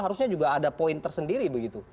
harusnya juga ada poin tersendiri begitu